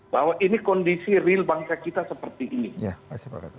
bahwa ini kondisi real bangsa kita seperti ini